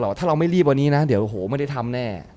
โอ้โหไม่ได้ทำแน่